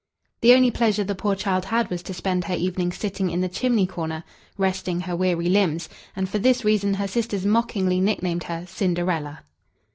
The only pleasure the poor child had was to spend her evenings sitting in the chimney corner, resting her weary limbs, and for this reason her sisters mockingly nicknamed her "Cinderella."